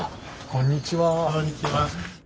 こんにちは。